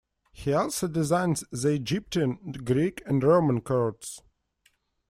He also designed the Egyptian, Greek and Roman courts.